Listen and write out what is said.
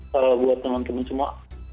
kalau buat teman teman semua